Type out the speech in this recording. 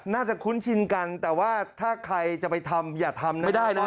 น่าจะคุ้นชินกันแต่ว่าถ้าใครจะไปทำอย่าทำนะ